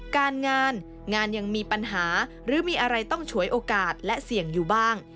การงานงานยังมีปัญหาหรือมีอะไรต้องฉวยโอกาสและเสี่ยงอยู่บ้าง